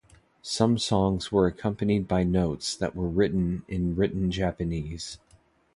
Some songs were accompanied by notes that were written in Written Japanese.